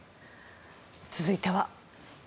続いては。